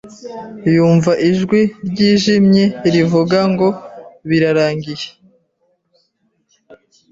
Yumva ijwi ryijimye rivuga ngo "Birarangiye"